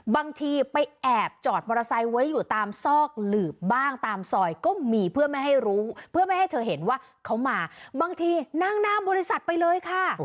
บางทีไปแอบจอดมอเตอร์ไซค์ไว้อยู่ตามซอกหลืบบ้างตามซอย